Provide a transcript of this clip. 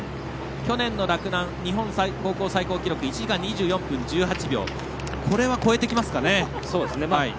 去年の洛南、日本高校最高記録１時間２４分１８秒は超えてきますかね。